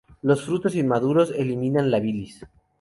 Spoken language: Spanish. Los frutos inmaduros eliminan la bilis.